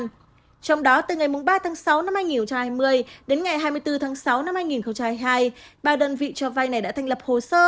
trong đó từ ngày ba tháng sáu năm hai nghìn hai mươi đến ngày hai mươi bốn tháng sáu năm hai nghìn hai mươi hai ba đơn vị cho vay này đã thành lập hồ sơ